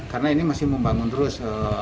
karena ini masih membangun terus